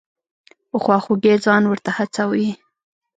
په خواخوږۍ ځان ورته هڅوي.